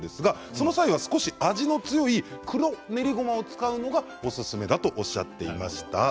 その際は少し味の強い黒練りごまを使うのがおすすめだとおっしゃっていました。